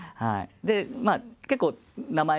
で結構名前